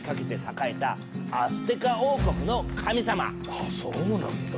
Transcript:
あっそうなんだ。